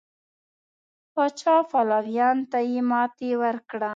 پاچا پلویانو ته یې ماتې ورکړه.